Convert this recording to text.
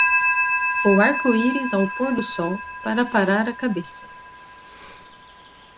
O arco-íris ao pôr do sol, para parar a cabeça.